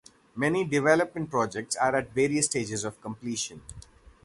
Many development projects are at various stages of completion.